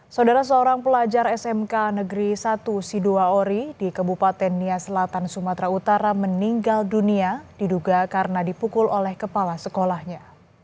saudara seorang pelajar smk negeri satu si dua ori di kebupaten nia selatan sumatera utara meninggal dunia diduga karena dipukul oleh kepala sekolahnya